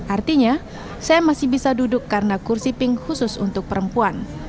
artinya saya masih bisa duduk karena kursi pink khusus untuk perempuan